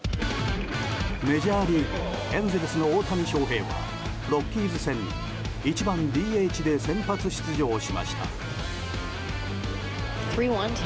メジャーリーグエンゼルスの大谷翔平がロッキーズ戦に１番ＤＨで先発出場しました。